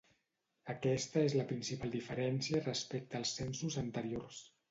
Aquesta és la principal diferència respecte als censos anteriors.